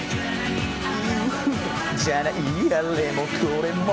夢じゃないあれもこれも